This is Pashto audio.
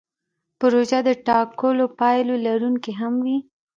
پروژه د ټاکلو پایلو لرونکې هم وي.